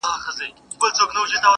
ګېډۍ- ګېډۍ ګلونه وشيندله-